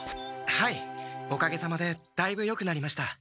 はいおかげさまでだいぶよくなりました。